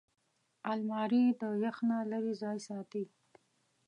الماري د یخ نه لېرې ځای ساتي